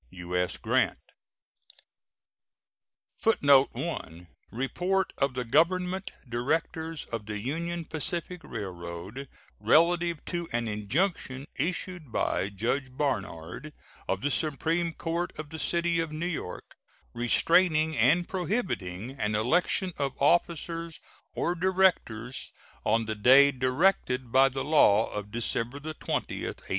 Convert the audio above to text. U.S. GRANT. [Footnote 1: Report of the Government directors of the Union Pacific Railroad relative to an injunction issued by Judge Barnard, of the supreme court of the city of New York, restraining and prohibiting an election of officers or directors on the day directed by the law of December 20, 1867.